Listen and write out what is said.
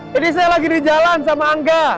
saya lagi di jalan sama angga